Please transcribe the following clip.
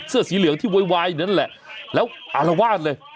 เสื้อสีเหลืองที่โวยวายอยู่นั่นแหละแล้วอารวาสเลย